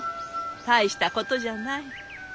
大したことじゃない。